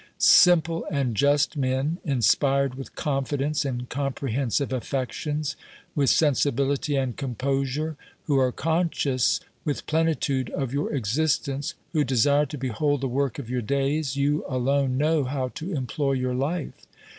Simple and just men, inspired with confidence and com prehensive affections, with sensibility and composure, who are conscious with plenitude of your existence, who desire to behold the work of your days, you alone know how to employ your life